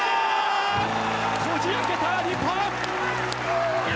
こじ開けた、日本！